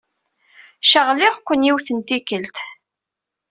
Caɣliɣ-ken yiwet n tikkelt.